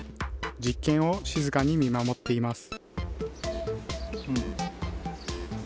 実験を静かに見守っています。